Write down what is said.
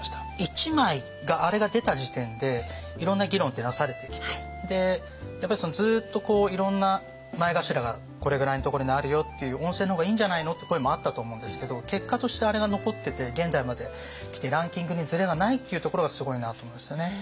１枚あれが出た時点でいろんな議論ってなされてきてやっぱりずっといろんな前頭がこれぐらいのところにあるよっていう温泉の方がいいんじゃないのって声もあったと思うんですけど結果としてあれが残ってて現代まで来てランキングにずれがないっていうところがすごいなと思いますよね。